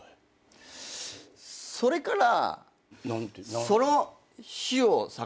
それから。